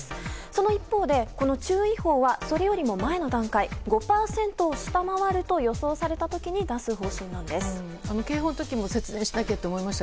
その一方で注意報はそれよりも前の段階５％を下回ると予想された時に出す方針なんです。